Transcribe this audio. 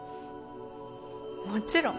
もちろん。